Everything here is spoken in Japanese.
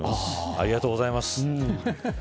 ありがとうございます。